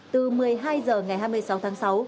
từ một mươi hai h ngày hai mươi sáu tháng sáu